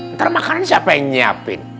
ntar makanan siapa yang nyiapin